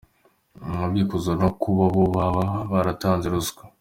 Ibyo akabihuza no kuba bo baba baratanze ruswa.